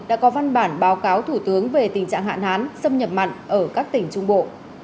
đã có văn bản báo cáo thủ tướng về tình trạng hạn hán xâm nhập mặn ở các tỉnh trung bộ